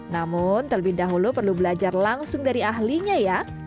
namun terlebih dahulu perlu belajar langsung dari ahlinya ya